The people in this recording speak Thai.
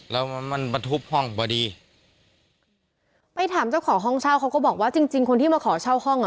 แล้วมันมาทุบห้องพอดีไปถามเจ้าของห้องเช่าเขาก็บอกว่าจริงจริงคนที่มาขอเช่าห้องอ่ะ